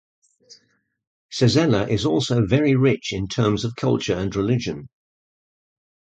Sezela is also very rich in terms of culture and religion.